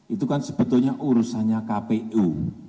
itu kan sebetulnya urusannya kpu